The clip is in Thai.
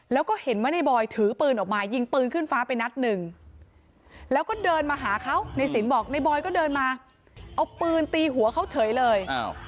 แล้วก็เห็นว่าในบอยถือปืนออกมายิงปืนขึ้นฟ้าไปนัดหนึ่งแล้วก็เดินมาหาเขาในสินบอกในบอยก็เดินมาเอาปืนตีหัวเขาเฉยเลย